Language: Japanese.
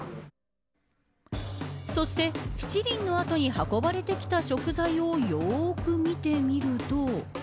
そして、七輪の後に運ばれてきた食材をよく見てみると。